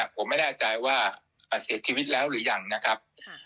ผมไม่แน่ใจว่าเสียชีวิตแล้วหรือยังนะครับ